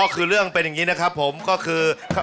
ก็คือเรื่องเป็นอย่างนี้นะครับผมก็คือ